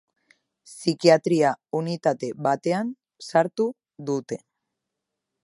Psikiatria unitate batean sartu dute.